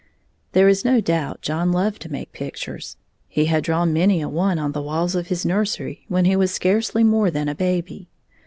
There is no doubt John loved to make pictures. He had drawn many a one on the walls of his nursery when he was scarcely more than a baby.